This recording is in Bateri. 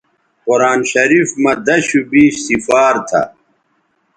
قرآن شریف مہ دشوبیش سفار تھا